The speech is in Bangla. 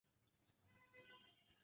বন্দুকটা নাওনি বলেই ধরে নিচ্ছি?